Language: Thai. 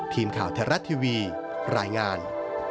ทีมข่าวไทยรัฐทีวีรายงาน